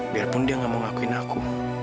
biarpun dia gak mau ngakuin aku